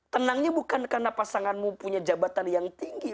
tenangnya bukan karena pasanganmu punya jabatan yang tinggi